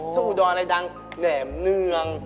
อุดรอะไรดังแหน่มเนือง